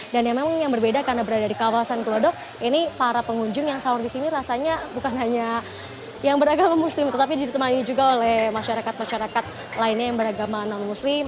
dan yang memang yang berbeda karena berada di kawasan kelodok ini para pengunjung yang sahur disini rasanya bukan hanya yang beragama muslim tetapi ditemani juga oleh masyarakat masyarakat lainnya yang beragama non muslim